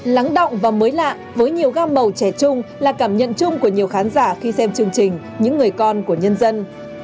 lắng động và mới lạ với nhiều gam màu trẻ chung là cảm nhận chung của nhiều khán giả khi xem chương trình những người con của nhân dân